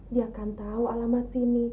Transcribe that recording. dia akan tahu alamat sini